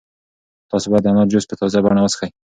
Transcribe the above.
تاسو باید د انار جوس په تازه بڼه وڅښئ.